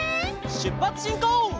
しゅっぱつしんこう！